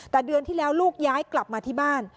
แต่เดือนที่แล้วลูกย้ายกลับมาที่บ้าน